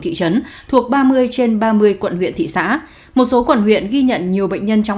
thị trấn thuộc ba mươi trên ba mươi quận huyện thị xã một số quận huyện ghi nhận nhiều bệnh nhân trong